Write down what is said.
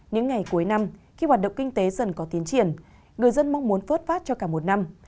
những ngày cuối năm khi hoạt động kinh tế dần có tiến triển người dân mong muốn phớt phát cho cả một năm